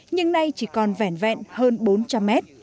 nhưng nay chỉ còn vẻn vẹn hơn bốn trăm linh mét